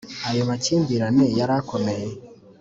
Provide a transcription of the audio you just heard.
ayo makimbirane yari akomeye